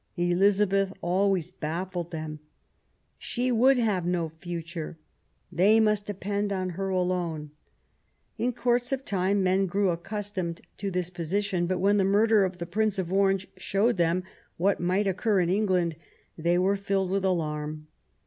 Elizabeth always baffled them. She would have no future ; they must depend on her alone. In course of time men grew accustomed to this position ; but when the murder of the Prince of Orange showed them what might occur in England, they were filled with alarm.